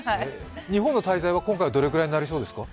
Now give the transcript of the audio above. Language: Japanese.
日本の滞在は今回どのぐらいになりそうですか？